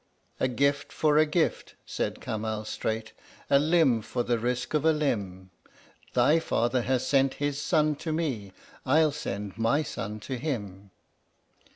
"A gift for a gift," said Kamal straight; "a limb for the risk of a limb. "Thy father has sent his son to me, I'll send my son to him!"